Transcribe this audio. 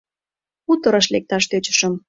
хуторыш лекташ тӧчышым.